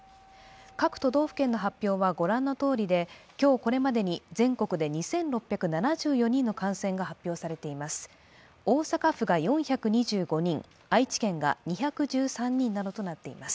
各都道府県の発表は御覧のとおりで、今日これまでに全国で２６７４人の感染が発表されています。